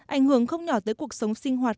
ảnh hưởng không nhỏ tới cuộc sống sinh hoạt